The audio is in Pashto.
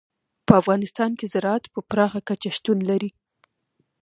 په افغانستان کې زراعت په پراخه کچه شتون لري.